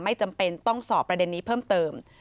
จำเป็นต้องสอบประเด็นนี้เพิ่มเติม